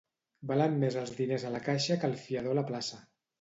Valen més els diners a la caixa que el fiador a la plaça.